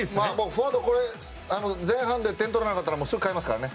フォワードは前半で点を取らなかったら即、代えますからね。